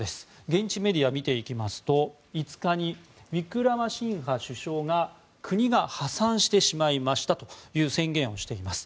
現地メディアを見ていきますと５日、ウィクラマシンハ首相が国が破産してしまいましたという宣言をしています。